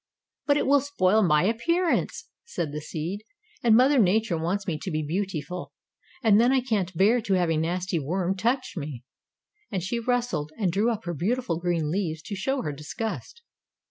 "But it will spoil my appearance," said the seed, "and Mother Nature wants me to be beautiful. And then I can't bear to have a nasty worm touch me," and she rustled and drew up her beautiful green leaves to show her disgust.